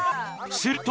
すると。